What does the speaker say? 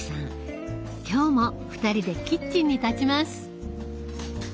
今日も２人でキッチンに立ちます。